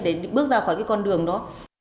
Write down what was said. để mình bước ra khỏi cái con đường đó